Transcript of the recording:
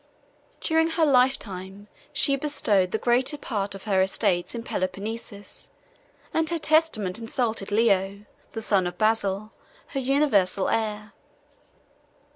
During her lifetime, she bestowed the greater part of her estates in Peloponnesus, and her testament instituted Leo, the son of Basil, her universal heir.